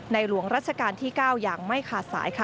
ในหลวงราชการที่เก้าอย่างไม่ขาดสายค่ะ